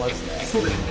そうですね。